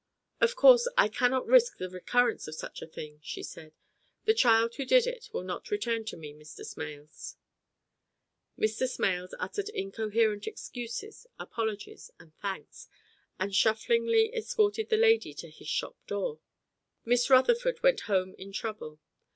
"Of course I cannot risk the recurrence of such a thing," she said. "The child who did it will not return to me, Mr. Smales." Mr. Smales uttered incoherent excuses, apologies, and thanks, and shufflingly escorted the lady to his shop door. Miss Rutherford went home in trouble.